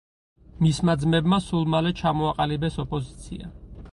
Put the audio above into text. მისმა ძმებმა სულ მალე ჩამოაყალიბეს ოპოზიცია.